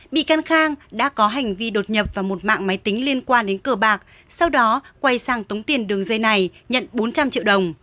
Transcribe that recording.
bị can khang đã có hành vi đột nhập vào một mạng máy tính liên quan đến cờ bạc sau đó quay sang tống tiền đường dây này nhận bốn trăm linh triệu đồng